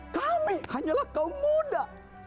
kami hanyalah kaum muda